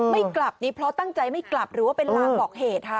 ไม่กลับนี่เพราะตั้งใจไม่กลับหรือว่าเป็นลางบอกเหตุค่ะ